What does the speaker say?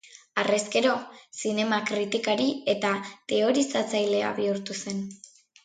Harrezkero zinema-kritikari eta teorizatzailea bihurtu zen.